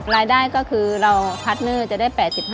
รายได้ก็คือเราพาร์ทเนอร์จะได้๘๕